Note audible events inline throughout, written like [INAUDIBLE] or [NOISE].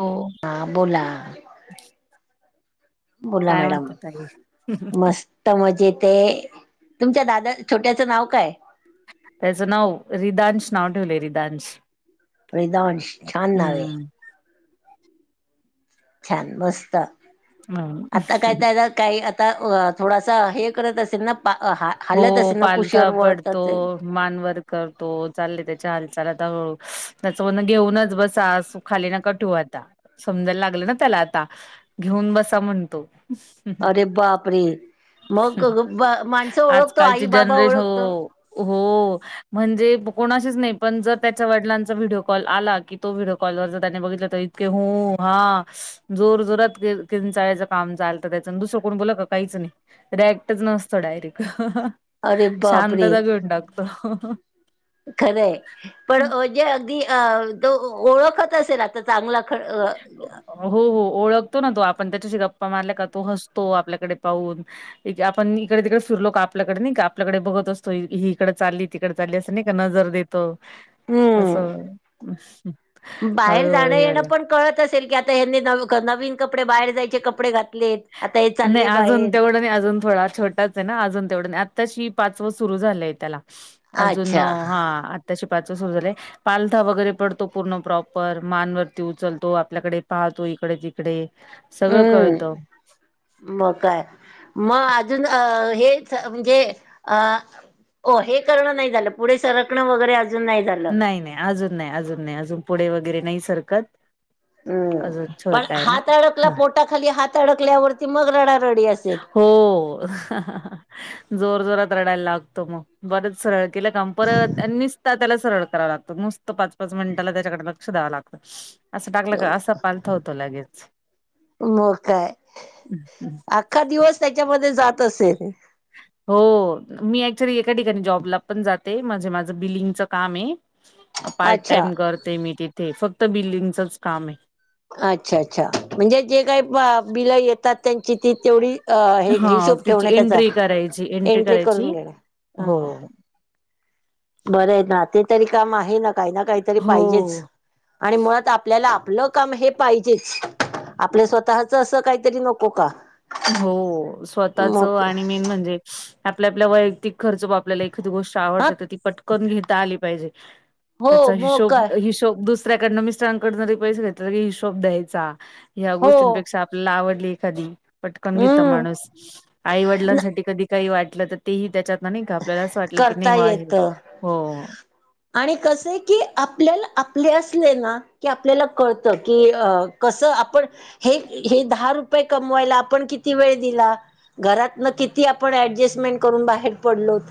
हो. हां बोला. बोला काय मॅडम. म्हणतात ताई मस्त. त्यामुळे जेथे तुमच्या दादा छोट्याचं नाव काय? त्याचं नाव रिदांश नाव ठेवले रिदांश. रिदांश छान नाव हाय. हम्म छान मस्त. हं. आता काय त्याला काही आता थोडासा हे करत असेल ना. हलत असेल ना. कुशीवर वळत असेल. मान वर करतो. चालले त्याच्या हालचाल. आता त्याच म्हणण घेऊनच बसा अस खाली नका ठेवू आता. समजायला लागलं ना त्याला आता घेऊन बसा म्हणतो. अरे बाप रे. मग माणसं ओळखतो. आजकालची आई बाबा जनरेशन ओळखतो? हो हो. म्हणजे कोणाशीच नाही. पण जर त्याच्या वडिलांचा व्हिडिओ कॉल आला की, तो व्हिडिओ कॉलवर जर त्याने बघितलं तर त्याने इत क हुं हा. जोर जोरात किंचाळचं काम चालत त्याच. दुसरं कोण बोलल का काहीच नाही. रिॲक्टक्टच नसतो डायरेक्ट अरे बापरे शांतता घेऊन टाकतो. खरंय पण जे अगदी अ तो ओळखत असेल आता चांगला ख अ हो हो, ओळखतो ना तो. आपण त्याच्याशी गप्पा मारल्या का, तो हसतो आपल्याकडे पाहून. आपण इकडे तिकडे फिरलो का, आपल्याकडे नाही का आपल्याकडे बघत असतो. ही इकंड चालली, तिकड चालली असं नाही का नजर देत तो हम्म असं. बाहेर हळूहळू जाणं हे येणं व्हायला पण कळत असेल की, आता ह्यांनी नवीन कपडे, बाहेर जायचे कपडे घातलेत? आता हे नाही चालले अजून बाहेर तेवढं नाही, अजून थोडा छोट अजून तेवढं नाही. आताशी पाचव सुरू झालंय त्याला, अजून अच्छा हा आ आताशी पाचव सुरू झालय. पालथा वगैरे पडतो पूर्ण प्रॉपर, मानवरती उचलतो, आपल्याकडे पाहतो इकडे तिक डे सगळं कळतं. हम्म मग काय, मग अजून अ हेच म्हणजे अ हो हे करणं नाही झालं, पुढे सरकणं वगैरे अजून नाही झालं. नाही नाही, अजून नाही अजून नाही, अजून पुढे वगैरे नाही सरकत. हम्म, अजून पण छोटा आहे ना हात अडकला हा पोटाखाली हात अडकल्यावरती, मग रडारडी असेल. हो, जोर जोरात रडायला लागतो मग, बरच सर केल का, मग परत निसता त्याला सरळ कराव लागत. मस्त पाच पाच मिनिटला त्याच्याकडे लक्ष द्यावं लागतं. असं टाकलं का, असं पालथा होतो लगेच. मग काय अख्खा दिवस त्याच्यामध्ये जात असेल. हो, मी ऍक्च्युली एका ठिकाणी जॉबला पण जाते, म्हणजे माझं बिलिंगच काम आहे. पार्ट अच्छा टाइम करते मी तिथे. फक्त बिलिंगचच काम आहे. अच्छा अच्छा, म्हणजे जे काही बिलं येतात त्यांची ती तेवढी अ हे हा. हिशोब त्याची ठेवणे त्याचा, एंट्री करायची, एंट्री करून करायची. घेणे हो. हं. बरंय ना, ते तरी काम आहे ना. काही ना काहीतरी हो. पाहिजेच. आणि मुळात आपल्याला आपलं काम हे पाहिजेच. आपल स्वतःच असं काहीतरी नको का? हो स्वतःच मग आणि मेन म्हणजे आपल्या आपल्या वैयक्तिक खर्च भागतो. आपल्याला एखादी गोष्ट हा आवडते तर, ती पटकन घेता आली पाहिजे. हो त्याचा मग हिशोब काय हिशोब दुस ऱ्याकडन, मिस्टरांकडन जरी पैसे घेतले तरी हिशोब द्यायचा. ह्या हो गोष्टीनंपेक्षा आपल्याला आवडली एखादी पटकन घेत हम्म माणूस. न- आईवडिलांसाठी कधी काही वाटलं तर तेही त्याच्यात ना नाही का. आपल्याला असं वाटलं की, नाहीे करता वा हे. येतं हो. आणि कस आहे की, आपल्याला आपले असले ना की आपल्याला कळत की, कसं आपण हे हे दहा रु पय कमवायला आपण किती वेळ दिला. घरातन किती आपण डजस्टमेंट करून बाहेर पडलोत.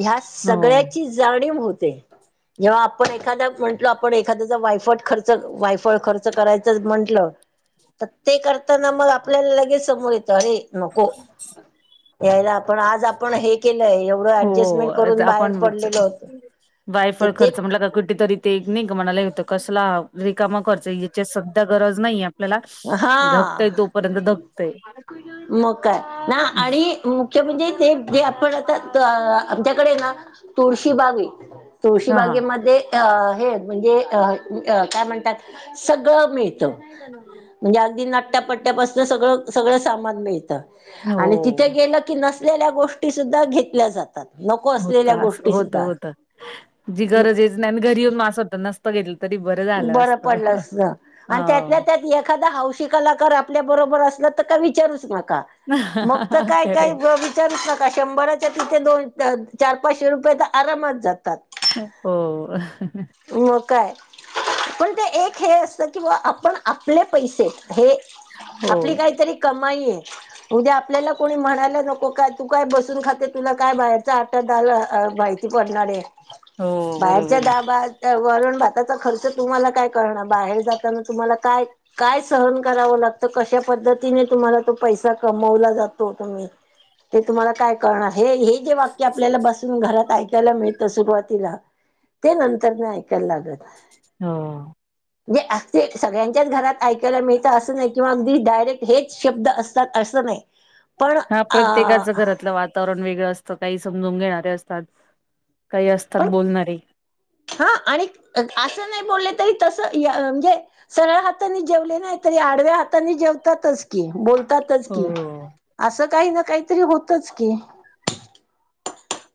ह्या हो सगळ्याची जाणीव होते. जेव्हा आपण एखादा म्हटल, आपण एखाद्याचा वायफट खर्च वायफळ खर्च करायचं म्हंटलं तर ते करताना मग आपल्याला लगेच समोर येतं अरे नको. यायला आपण आज आपण हे केलंय एवढं हो ऍडजस्मेंट करून बाहेर आपण पडलेलोय तर ते जरा कुठे तरी ते एक नाईका मनाला हे होतं कसला रिकामा खर्च, याची सध्या गरज नाहीये हा, धकतय मग काय ना आणि च म्हणजे ते जे आपण आता आमच्याकडे ना, तुळशीबाग आहे. हा हा तुळशीबागेमध्ये त्या अ हे म्हणजे काय म्हणतात सगळं मिळत. [INAUDIBLE] म्हणजे अगदी नट्यापट्ट्यापासन सगळं सगळं सामान मिळतं हो आणि तिथे गेलं की नस असलेल्या गोष्टी सुद्धा घेतल्या जातात. नको होत असलेल्या असं गोष्टी होत सुद्धा. होत जी मग गरजेच नाही आणि घरी येऊन म असं वाटतं नसत तरी बरं झालं असत पडलं असत आणि हाव त्यातल्या त्यात एखादा हौशी कलाकार आपल्या बरोबर असला तर काय विचारूच नका मग तर काय काय खरे ब विचारूच नका, शंभराच्या तिथे दोन चार पाचशे रुपये तर आरामात जातात. हो. हो काय पण ते एक हे असत की बा आपण आपले पैसे हे हो आपली काहीतरी कमाई ये. उद्या आपल्याला कोणी म्हणायला नको काय तू काय बसून खाते तुला काय बाहेरचं माहिती पडणारे हो बाहेरच्या बरोबर आहे दाबा वरून त्याचा खर्च तुम्हाला काय कळणार, बाहेर जाताना तुम्हाला काय काय सहन करावं लागतं कश्या पद्धतीने तुम्हाला तो पैसा कमवला जातो तुम्ही ते तुम्हाला काय कळणार, हे हे जे वाक्य आपल्याला बसून घरात ऐकायला मिळ त सुरुवातीला ते नंतरन ऐकायला लागल. हो. म्हणजे अगदी सगळ्यांच्याच घरात ऐकायला मिळतं असं नाही किंवा अगदी डायरेक्ट हेच शब्द अस त्यात असं नाही. पण हा प्रत्येकाचं अ घरातलं वाता वातावरण वेगळं असतं, काही समजून घेणारे असतात काही पण असतात बोलणारे हा आणि असं नाही बोलले तरी तस म्हणजे सरळ हातानी जेवले नाही तरी आडव्या हातानी जेवतातच की बोल बोलतातच की हो असं काही ना काहीतरी होतच की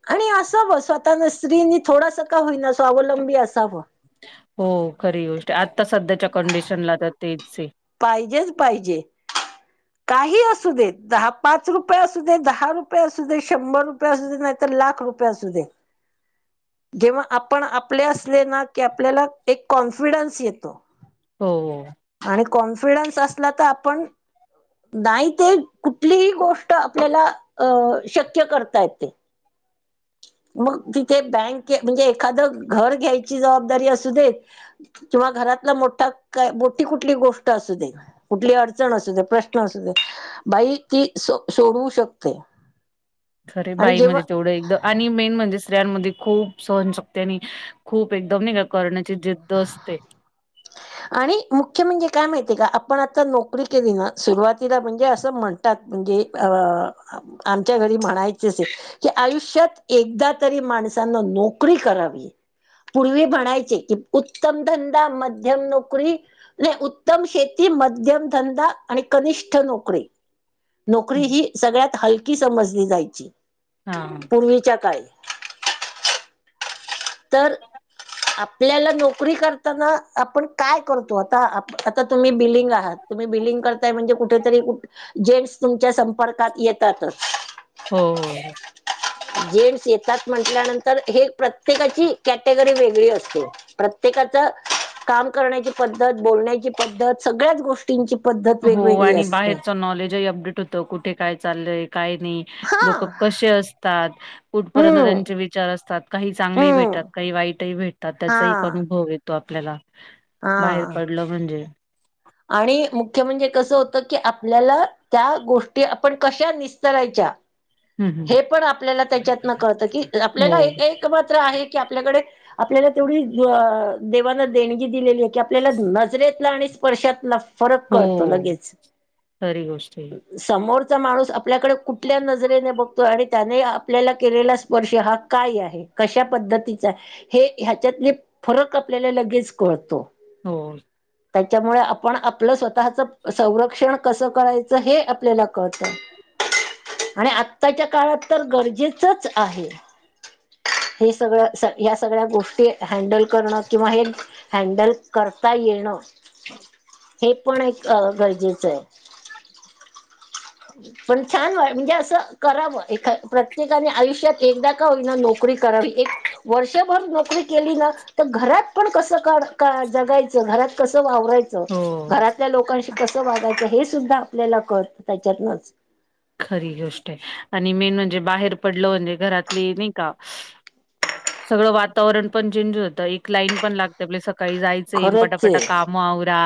आणि असावं स्वतःन स्त्री नी थोडस का होईना स्वावलंबी असावं. हो, खरी गोष्ट ये आत्ता सध्याच्या कंडिशनला तर तेच ये. पाहिजेच पाहिजे. काही असू दे दहा पाच रुपये असू दे दहा रुपये असू दे शंभर रुपये रुपये असू दे नाही तर लाख रुपये असू दे. जेव्हा आपण आपले असले ना की आपल्याला एक कॉन्फिडन्स येतो. हो. आणि कॉन्फिडन्स असला तर आपण नाही, ते कुठलीही गोष्ट आपल्याला अ शक्य करता येते. मग तिथे बँक म्हणजे एखादं घर घ्यायची जबाबदारी असू दे किंवा घरातला मोठा का मोठी कुठली गोष्ट असू दे कुठली अडचण असू दे प्रश्न असू दे बाई ती सोडवू शकते. खरये, आणि जेव्हा बाईमध्ये तेवढं एक दम आणि मेन म्हणजे स्त्रियांमध्ये खूप सहनशक्ती आणि खूप एक दम नाही का करण्याची जिद्द असते. आणि मुख्य म्हणजे काय माहितीये का आपण आता नोकरी केली ना सुरुवातीला म्हणजे असं म्हण म्हणतात म्हणजे अ आमच्या घरी म्हणायचेच हे की आयुष्यात एकदा तरी माणसांन नोकरी करावी. पूर्वी म्हणायचे कि उत्तम धंदा मध्यम नोकरी नाही उत्तम शेती मध्यम धंदा आणि कनिष्ठ नोकरी नोकरी ही सगळ्यात हलकी समजली जायची. हां. पुर्वीच्या काळी तर आप आपल्याला नोकरी करताना आपण काय करतो आता तुम्ही बीलींग आता तुम्ही बिलींग करताय म्हणजे जेन्ट्स तुमच्या संपर्कात येतातच. हो. जेंन्टस येतात म्हटल्यानंतर हे प्रत्येकाची कॅटेगरी वेगळी असते. प्रत्येकाचं काम करण्याची पद्धत बोलण्याची पद्धत सगळ्याच गोष्टी ष्टींची पद्धत वेगवेगळी असते. नॉलेज ही अपडेट होत कुठे काय चाललंय काय नाही हा लोक कसे असतात कुठपर्यंत हम्म त्यांचे विचार असतात काही चांगले हम्म भेटतात काही वाईटही भेटतात त्याचा एक हा अनुभव आहे. भेटतो आपल्याला बाहेर हा पडलं म्हणजे आणि मुख्य म्हणजे कसं होतं की आपल्याला त्या गोष्टी आपण कशा निस्तरायच्या हम्म हम्म हे पण आपल्याला त्याच्यातन कळतं की हो आपल्याला एक मात्र आहे की आपल्याकडे आपल्याला तेवढी देवांना देणगी दिलेली आहे की आपल्याला नजरेतला आणि स्पर्शातला फरक कळतो हो लगेच. खरी गोष्ट आहे. ही. समोरचा माणूस आपल्याकडे कुठल्या नजरेने बघतोय आणि त्याने आपल्याला केलेला स्पर्श हा काय आहे कशा पद्धतीच हे ह्याच्यातले फरक आपल्याला लगेच कळतो. हो. त्याच्यामुळे आपण आपलं स्वतःच संरक्षण कसं करायचं हे आपल्याला कळतं. आणि आत्ताच्या काळात तर गरजेचच आहे. हे सगळं ह्या सगळ्या गोष्टी हँडल करणं किंवा हे हँडल करता येणं हे पण एक गरजेच आहे. पण छान म्हणजे असं करावं एखाद प्रत्येकाने आयुष्यात एकदा का होईना नोकरी नोकरी करावी एक वर्षभर नोकरी केली ना तर घरात पण कस का जगायचं घरात कस वावरायच हो. घरातल्या लोकांशी कसं वागायचं हे सुद्धा आपल्याला कळत त्याच्यातनच. खरी गोष्ट आहे आणि मेन म्हणजे बाहेर पडलं म्हणजे घरातली नाही का सगळं वातावरण पण चेंज होतं एक लाईन पण लागते आप सकाळी जायचं खरंच आहे पटापटा काम म आवरा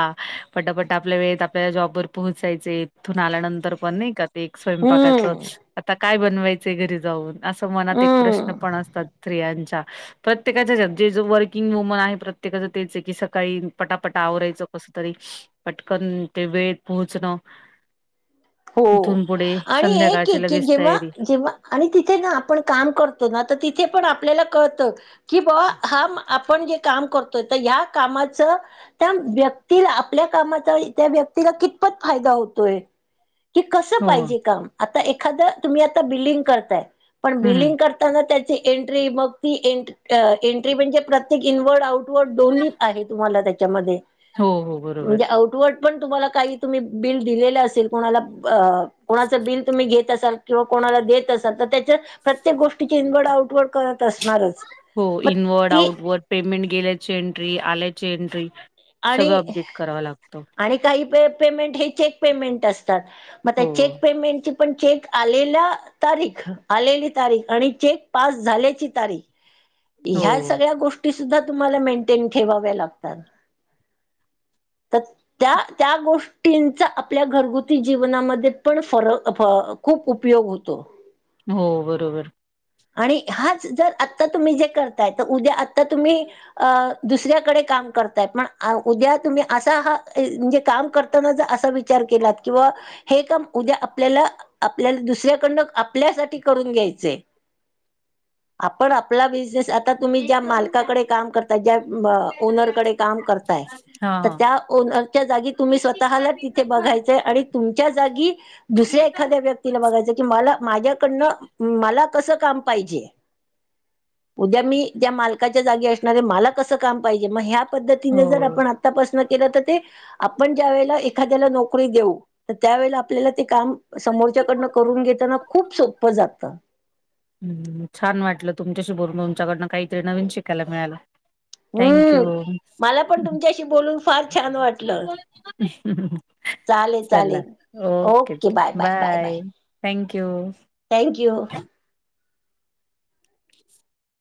पटापट आपल्या वेळेत आपल्या जॉबवर पोहोचायचे इथून आल्यानंतर पण नाही का एक स्वयंपाकाचं हम्म आता काय बनवायचंय घरी जाऊन.? असं मनात एक प्रश्न हम्म पण असतात स्त्रियांच्या. प्रत्येकाच्यात जे ज वर्किंग वुमन आहे प्रत्येकाचं तेच आहे की सकाळी पटापटा आवरायचं कसं तरी पटकन ते वेळेत पोहचण हो आणि एक संध्याकाळची की लगेच जेव्हा तयारी जेव्हा आणि तिथे ना आपण काम करतो ना तर तिथे पण आपल्याला कळतं कि बुवा हा आपण जे काम करतोय त ह्या कामाचं त्या व्यक्तीला आपल्या कामाचा त्या व्यक्तीला कितपत फायदा होतोय? कि कसं हो पाहिजे काम आता एखाद तुम्ही आता बिलिंग करताय पण हम्म बिलिंग कर करताना त्याची एंट्री मग ती एन्ट एंट्री म्हणजे प्रत्येक इनवर्ड आउटवर्ड दोन्ही आहे तुम्हाला त्याच्यामध्ये हो हो बरोबर म्हणजे आउटवर्ड पण तुम्हाला काही तुम्ही बिल दिलेलं असेल कोणाला कोणाचं बिल तुम्ही घेत असाल किंवा कोणाला देत असाल तर त्याच्या प्रत्येक गोष्टीची इनवर्ड आउटवर्ड कळत असणारच हो मग इनवर्ड ती आउटवर्ड पेमेंट गेल्याची एन्ट्री आल्याची एन्ट्री आणि आणि काही पेमेंट हे चेक पेमेंट असतात मग त्या हो चेक पेमेंट चेक पण चेक आलेला तारीख आलेली तारीख आणि चेक पास झाल्याची तारीख हो ह्या सगळ्या गोष्टी सुद्धा तुम्हाला ममेंटेन ठेवाव्या लागतात [UNINTELLIGIBLE] त्य- त्या गोष्टींचा आपल्या घरगुती जीवनामध्ये पण फरक खूप उपयोग होतो [INAUDIBLE] हो बरोबर आणि हाच जर आत्ता तुम्ही जे करताय तर उद्या आत्ता तुम्ही अ दुसऱ्याकडे काम करताय ना उद्या तुम्ही असा हा म्हणजे काम करताना जर असा विचार केलात किंवा हे काम उद्या आपल्याला-आपल्याला दुसऱ्याकडनं आपल्यासाठी करून घ्यायचंय आपण आपला बिझनेस आता तुम्ही ज्या मालकाकडे काम करता ज्या ओनरकडे काम करता हा तर हा त्या ओनरच्या जागी तुम्ही स्वतःला तिथे बघायचय आणि तुमच्या जागी दुसऱ्या एखाद्या व्यक्तीला बघायचं की मला माझ्याकडन मला कसं काम पाहिजे उद्या मी त्या मालकाच्या जागी असणारे मला कसं काम पाहिजे मग ह्या पद्धती पद्धतीन हो आपण आता पासन केला तर ते आपण ज्या वेळेला एखाद्याला नोकरी देऊ तर त्यावेळेला आपल्याला ते काम समोरच्याकडनं करून घेताना खूप सोपं जातं हम छान वाटलं तुमच्याशी बोलून तूमच्याकडनं काहीतरी नवीन शिकायला मिळालं. थँक्यू हम्म मला पण तुमच्याशी बोलून फार छान वाटल चालेल चला -चालेल ओके चला बाय-बाय-बाय-बाय बाय थँक्यू थँक्यू [INAUDIBLE]